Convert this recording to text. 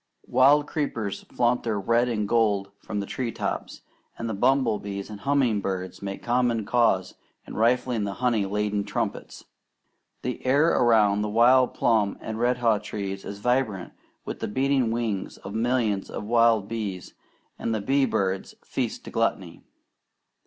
Wild creepers flaunt their red and gold from the treetops, and the bumblebees and humming birds make common cause in rifling the honey laden trumpets. The air around the wild plum and redhaw trees is vibrant with the beating wings of millions of wild bees, and the bee birds feast to gluttony.